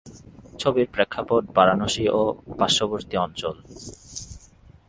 ছবির প্রেক্ষাপট বারাণসী ও পার্শ্ববর্তী অঞ্চল।